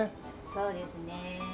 そうですね。